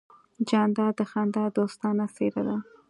جانداد د خندا دوستانه څېرہ ده.